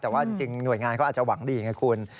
แต่ว่าจริงหน่วยงานเขาอาจจะหวังดีไงคุณ